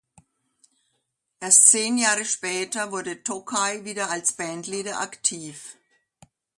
Erst zehn Jahre später wurde Tokaj wieder als Bandleader aktiv.